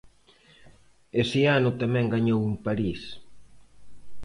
Ese ano tamén gañou en París.